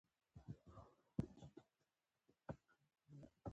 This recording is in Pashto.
جميله مې همدلته پرېښووله او د بیر څښلو په نیت ولاړم.